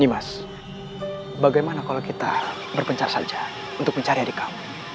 mas bagaimana kalau kita berpencar saja untuk mencari adik kamu